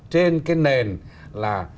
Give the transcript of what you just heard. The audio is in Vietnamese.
trên cái nền là